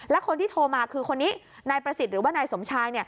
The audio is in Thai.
และคนที่โทรมาคือคนนี้นายประสิทธิ์หรือว่านายสมชาย